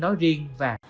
nói riêng và